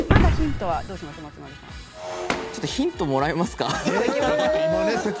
ちょっとヒントをもらえますか。